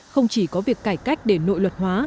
không chỉ có việc cải cách để nội luật hóa